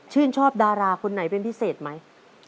ชอบดาราคนไหนเป็นพิเศษไหม